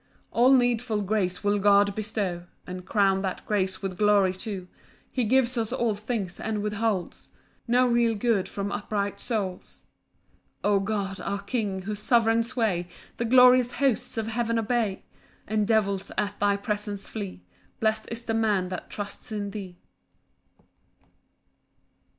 4 All needful grace will God bestow, And crown that grace with glory too: He gives us all things, and withholds No real good from upright souls. 5 O God, our King, whose sovereign sway The glorious hosts of heaven obey, And devils at thy presence flee, Blest is the man that trusts in thee.